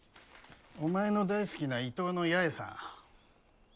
お前の大好きな伊東の八重さん。